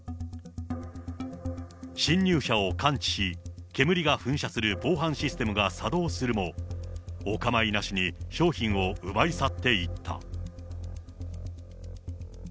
侵入者を感知し、煙が噴射する防犯システムが作動するも、お構いなしに商品を奪い去っていった。